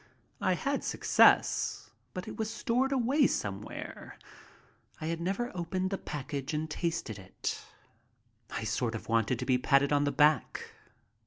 I had success, but it was stored away somewhere. I had never opened the package and tasted it. I sort of wanted to be patted on the back.